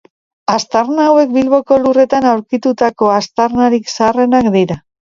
Aztarna hauek Bilboko lurretan aurkitutako aztarnarik zaharrenak dira.